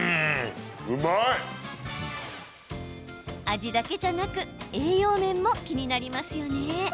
味だけじゃなく栄養面も気になりますよね。